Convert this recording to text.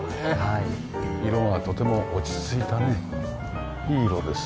色がとても落ち着いたねいい色です。